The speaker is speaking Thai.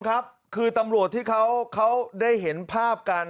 ครับคือตำรวจที่เขาได้เห็นภาพกัน